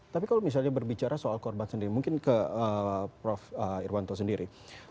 tapi kalau misalnya berbicara soal korban sendiri mungkin ke prof irwanto sendiri